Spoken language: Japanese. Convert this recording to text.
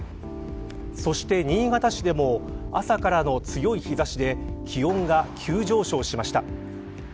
そして、新潟市でも朝からの強い日差しで気温が急上昇しました。